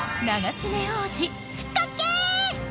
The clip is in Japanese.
［かっけえ！］